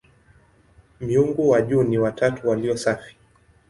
Miungu wa juu ni "watatu walio safi".